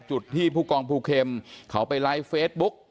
จุดที่ผู้กองภูเข็มเขาไปไลฟ์เฟซบุ๊ก